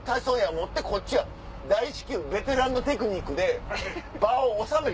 思うてこっちが大至急ベテランのテクニックで場を収めた。